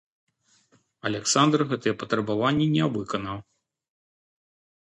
Аляксандр гэтыя патрабаванні не выканаў.